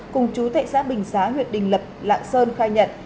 cùng chú tệ xã bình xá huyện đình lập lạng sơn khai nhận